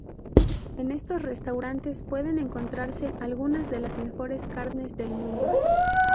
En estos restaurantes pueden encontrarse algunas de las mejores carnes del mundo.